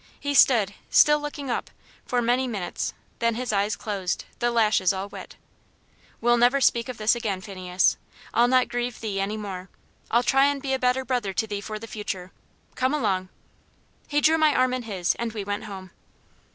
He stood, still looking up, for many minutes, then his eyes closed, the lashes all wet. "We'll never speak of this again, Phineas; I'll not grieve thee any more; I'll try and be a better brother to thee for the future. Come along!" He drew my arm in his, and we went home.